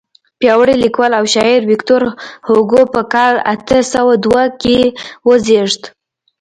پیاوړی لیکوال او شاعر ویکتور هوګو په کال اته سوه دوه کې وزیږېد.